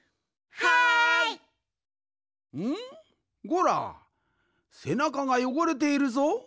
ゴラせなかがよごれているぞ？